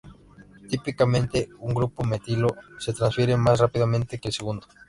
Típicamente, un grupo metilo se transfiere más rápidamente que el segundo.